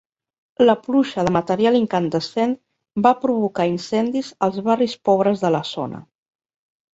La pluja de material incandescent va provocar incendis als barris pobres de la zona.